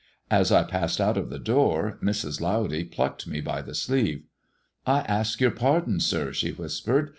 As I passed out of the door, Mrs. Lowdy plucked me by the sleeve. " I ask your pardon, sir," she whispered.